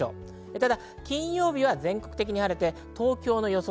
ただ、金曜日は全国的に晴れて東京の予想